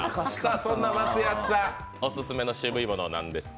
そんな松也さん、オススメのシブいものは何ですか？